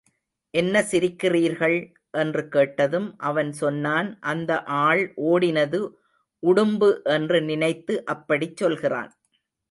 என்ன சிரிக்கிறீர்கள்? என்று கேட்டதும், அவன் சொன்னான், அந்த ஆள் ஓடினது உடும்பு என்று நினைத்து அப்படிச் சொல்கிறான்.